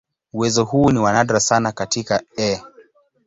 Uwezo huu ni nadra sana katika "E.